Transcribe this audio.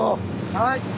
はい！